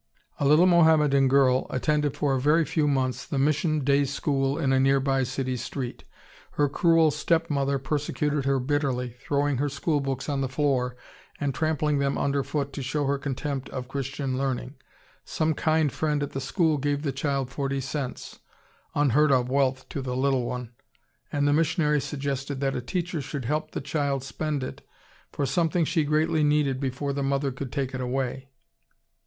] A little Mohammedan girl attended for a very few months the mission day school in a near by city street. Her cruel step mother persecuted her bitterly, throwing her school books on the floor and trampling them under foot to show her contempt of Christian learning. Some kind friend at the school gave the child forty cents, unheard of wealth to the little one, and the missionary suggested that a teacher should help the child spend it for something she greatly needed before the mother could take it away.